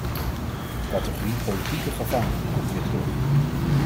De categorie politieke gevangenen komt weer terug.